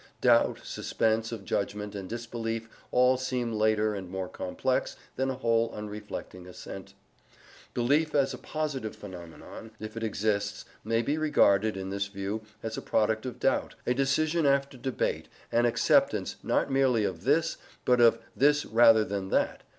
Doubt, suspense of judgment and disbelief all seem later and more complex than a wholly unreflecting assent. Belief as a positive phenomenon, if it exists, may be regarded, in this view, as a product of doubt, a decision after debate, an acceptance, not merely of THIS, but of THIS RATHER THAN THAT.